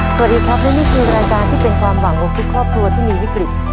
สวัสดีครับและนี่คือรายการที่เป็นความหวังของทุกครอบครัวที่มีวิกฤต